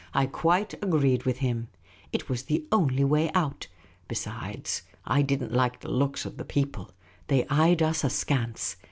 I quite agreed with him. It was the only way out. Besides, I did n't like the looks of the people. They eyed us askance.